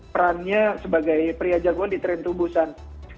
perannya sebagai pria jagoan di tren tubusan